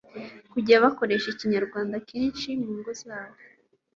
kujya bakoresha kenshi Ikinyarwanda mu ngo zabo